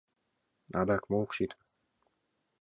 Адак мо ок сите?